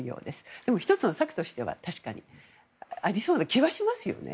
でも、１つの策としては確かにありそうな気はしますね。